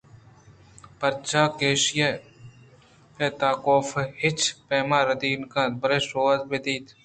پرچا کہ ایشی ءِ تہا کاف ءِ ہچ پیمیں ردی ئے نہ اَت بلئے شوازر ءِ بُن بز اَت